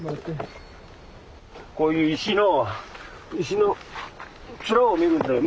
こういう石の石の面を見るんだよ